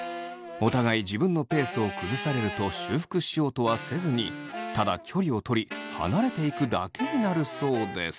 お互い自分のペースを崩されると修復しようとはせずにただ距離をとり離れていくだけになるそうです。